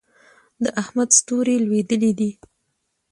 د احمد ستوری لوېدلی دی.